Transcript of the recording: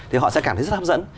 thì họ sẽ cảm thấy rất hấp dẫn